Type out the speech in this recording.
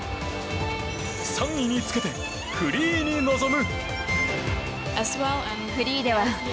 ３位につけてフリーに臨む。